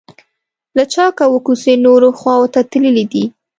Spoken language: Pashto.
له چوکه اووه کوڅې نورو خواو ته تللي دي.